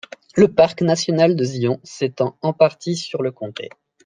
Le parc national de Zion s'étend en partie sur le comté.